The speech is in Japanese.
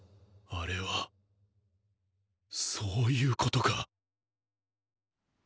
あれはそういうことか！